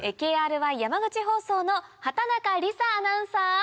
ＫＲＹ山口放送の畑中里咲アナウンサー！